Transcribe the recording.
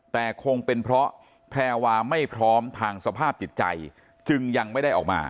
แต่คงเป็นเพราะแพรวาไม่พร้อมทางสภาพจิตใจจึงยังไม่ได้ออกมา